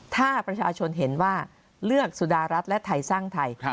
ถ้าประชาชนเห็นว่าเลือกสุดารัฐและไทยสร้างไทย